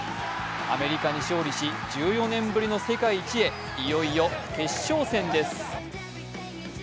アメリカに勝利し、１４年ぶりの世界一へ、いよいよ決勝戦です。